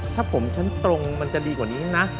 ถ้าผมชั้นตรงมันจะดีกว่านี้นะ